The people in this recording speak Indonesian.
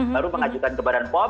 baru mengajukan ke badan pom